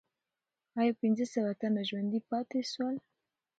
آیا پنځه سوه تنه ژوندي پاتې سول؟